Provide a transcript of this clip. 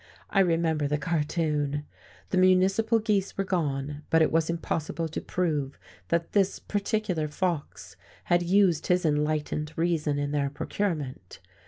I remember the cartoon. The municipal geese were gone, but it was impossible to prove that this particular fox had used his enlightened reason in their procurement.